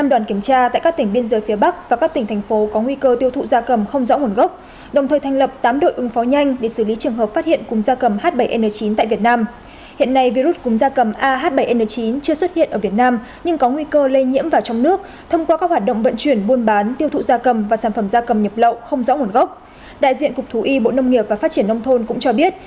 đại diện cục thú y bộ nông nghiệp và phát triển nông thôn cũng cho biết